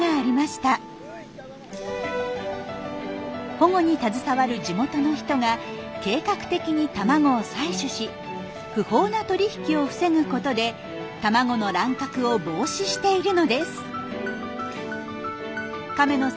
保護に携わる地元の人が計画的に卵を採取し不法な取り引きを防ぐことで卵の乱獲を防止しているのです。